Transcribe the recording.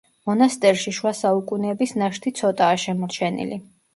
მონასტერში შუა საუკუნეების ნაშთი ცოტაა შემორჩენილი.